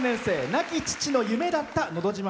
亡き父の夢だった「のど自慢」